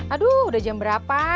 aduh udah jam berapa